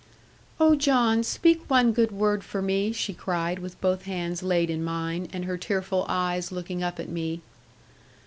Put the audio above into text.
'Oh, John! speak one good word for me,' she cried with both hands laid in mine, and her tearful eyes looking up at me.